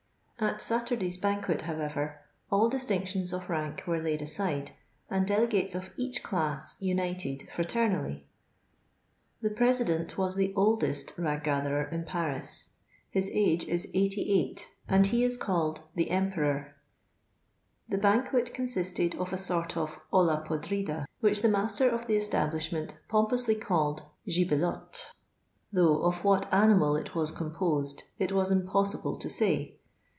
At Saturday's ban quet, however, all distinctions of rank were laid aside, and delegates of each class united frater nally. The president was the oldest rag gatherer in Paris; his age is 88, nnd he is called 'the Emperor.' The banquet consisted of a sort of oHa podnda, which the master of the establish ment pompously called gihtlottff though of what animal it was composed it was impossible to say.